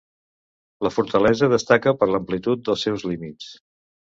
La fortalesa destaca per l'amplitud dels seus límits.